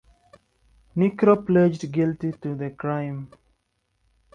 Necro pleaded guilty to the crime.